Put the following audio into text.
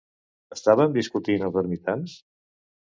Estaven discutint els ermitans?